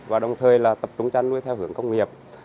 và đồng thời tập trung chăn nuôi theo hưởng công nghiệp